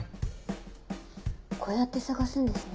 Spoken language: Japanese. こうやって捜すんですね。